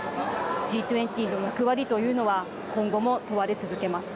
Ｇ２０の役割というのは今後も問われ続けます。